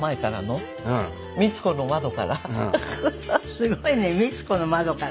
すごいね『光子の窓』から？